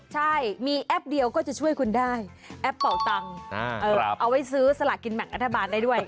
ใช่มีแอปเดียวก็จะช่วยคุณได้แอปเป่าตังค์เอาไว้ซื้อสลากินแบ่งรัฐบาลได้ด้วย